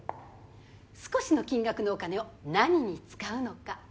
少しの金額のお金を何に使うのか？